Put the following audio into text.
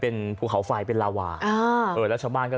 เป็นภูเขาไฟเป็นลาวาอ่าเออแล้วชาวบ้านก็